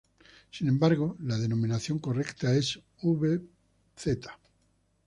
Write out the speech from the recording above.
Sin embargo, la denominación correcta es vz.